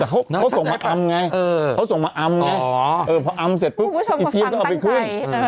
เขาส่งมาอำไงเขาส่งมาอำไงพออำเสร็จปุ๊บไอ้ทีมก็เอาไปขึ้น